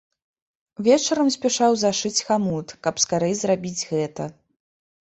Вечарам спяшаў зашыць хамут, каб скарэй зрабіць гэта.